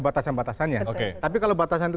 batasan batasannya oke tapi kalau batasan itu